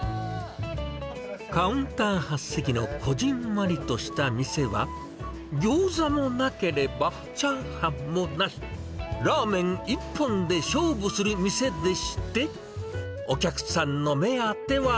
カウンター８席のこぢんまりとした店は、ギョーザもなければチャーハンもない、ラーメン一本で勝負する店でして、お客さんの目当ては。